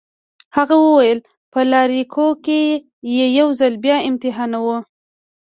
هغه وویل: په لایریکو کي يې یو ځل بیا امتحانوم.